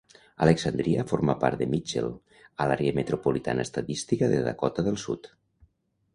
Alexandria forma part de Mitchell, a l'àrea metropolitana estadística de Dakota del Sud.